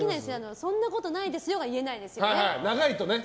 そんなことないですよが言えないですよね。